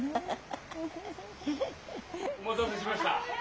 お待たせしました。